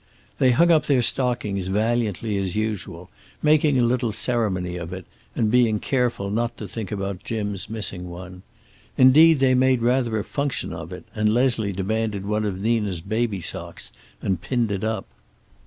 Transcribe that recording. They hung up their stockings valiantly as usual, making a little ceremony of it, and being careful not to think about Jim's missing one. Indeed, they made rather a function of it, and Leslie demanded one of Nina's baby socks and pinned it up.